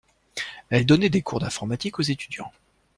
Elle donnait des cours d’informatique aux étudiants.